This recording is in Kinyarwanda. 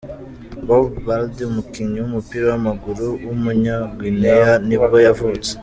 Bobo Baldé, umukinnyi w’umupira w’amaguru w’umunya-Guinea nibwo yavutse.